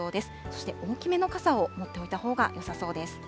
そして大きめの傘を持っておいたほうがよさそうです。